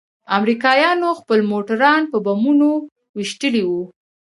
امريکايانو خپل موټران په بمونو ويشتلي وو.